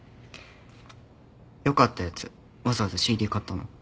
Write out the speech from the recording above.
よかったやつわざわざＣＤ買ったの？